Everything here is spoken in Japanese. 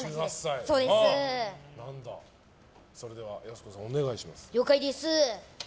それではやす子さんお願いします。